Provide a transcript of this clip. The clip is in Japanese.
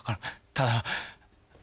ただ？